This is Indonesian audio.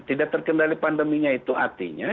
tidak terkendali pandeminya itu artinya